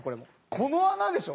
この穴でしょ？